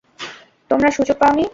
তোমরা সুযোগ পাওনি?